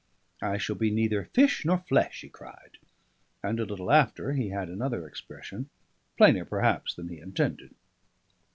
I shall be neither fish nor flesh!" he cried. And a little after he had another expression, plainer perhaps than he intended.